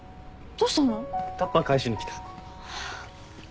タッパー返しに来た。